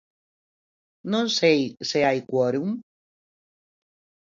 ¿Non sei se hai quórum?